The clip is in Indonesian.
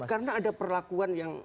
karena ada perlakuan yang